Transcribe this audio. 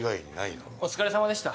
お疲れさまでした。